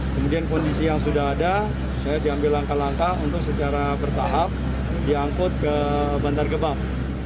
kemudian kondisi yang sudah ada saya diambil langkah langkah untuk secara bertahap diangkut ke bantar gebang